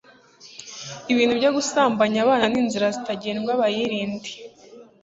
ibintu byo gusambanya abana ni inzira zitagendwa bayirinde